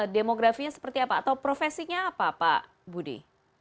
demografinya seperti apa atau profesinya apa pak budi